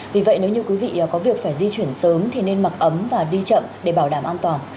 vì vậy nếu như quý vị có việc phải di chuyển sớm thì nên mặc ấm và đi chậm để bảo đảm an toàn